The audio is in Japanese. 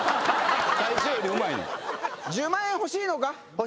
１０万円欲しいのか？